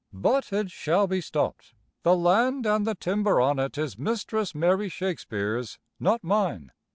But it shall be stopped. The land and the timber on it is Mistress Mary Shakespeare's, not mine."